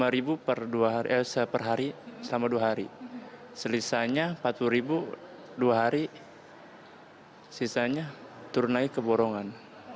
lima puluh lima ribu per dua hari eh per hari selama dua hari selisanya empat puluh ribu dua hari sisanya turun lagi ke borongan